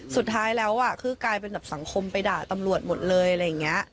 สุดท้ายแล้วคือกลายเป็นแบบสังคมไปด่าตำรวจหมดเลยอะไรอย่างนี้